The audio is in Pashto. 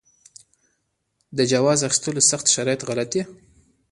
د جواز اخیستلو سخت شرایط غلط دي.